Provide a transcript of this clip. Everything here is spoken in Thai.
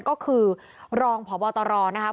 ก็คือรองพบตรนะครับ